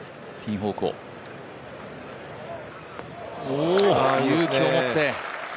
おお、勇気を持って。